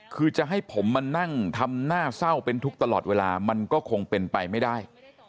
คือจะให้ผมมานั่งทำหน้าเศร้าเป็นทุกข์ตลอดเวลามันก็คงเป็นไปไม่ได้